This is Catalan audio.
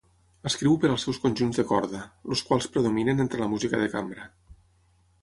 Escriu per als seus conjunts de corda, els quals predominen entre la música de cambra.